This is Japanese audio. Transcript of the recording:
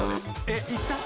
えっ言った？